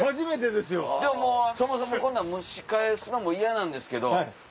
でももうそもそもこんなん蒸し返すのも嫌なんですけど。